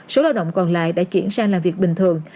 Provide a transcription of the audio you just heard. số lao động còn lại đã chuyển sang làm việc bình thường